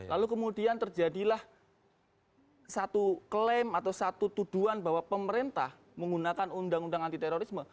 lalu kemudian terjadilah satu klaim atau satu tuduhan bahwa pemerintah menggunakan undang undang anti terorisme